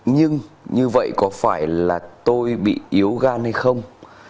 nhưng như vậy có phải là tôi bị yếu gan hay không